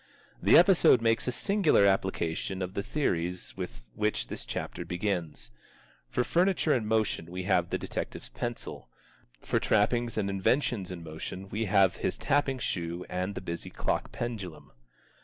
The episode makes a singular application of the theories with which this chapter begins. For furniture in motion we have the detective's pencil. For trappings and inventions in motion we have his tapping shoe and the busy clock pendulum.